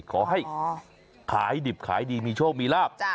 ขอให้ขายดิบขายดีมีโชคมีลาบ